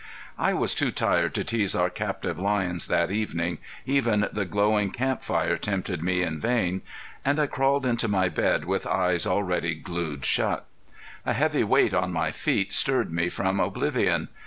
I was too tired to tease our captive lions that evening; even the glowing camp fire tempted me in vain, and I crawled into my bed with eyes already glued shut. A heavy weight on my feet stirred me from oblivion.